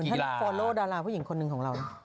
เหมือนท่านฟอลโลดาราผู้หญิงคนหนึ่งของเรา